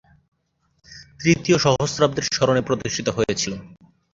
তৃতীয় সহস্রাব্দের স্মরণে প্রতিষ্ঠিত হয়েছিল।